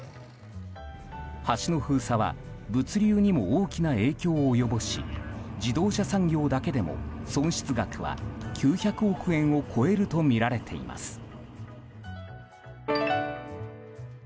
橋の封鎖は物流にも大きな影響を及ぼし自動車産業だけでも損失額は９００億円を超えるとみられています。